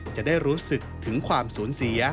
จะได้รู้สึกถึงความสูญเสีย